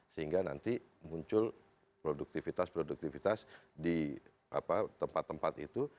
sehingga nanti muncul produktivitas produktivitas di tempat tempat itu